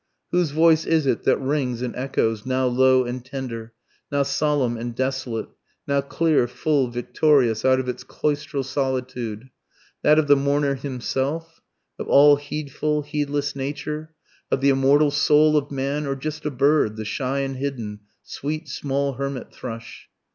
Whose voice is it that rings and echoes, now low and tender, now solemn and desolate, now clear, full, victorious, out of its cloistral solitude that of the mourner himself, of all heedfull, heedless Nature, of the immortal soul of man, or just a bird, the shy and hidden, sweet, small hermit thrush?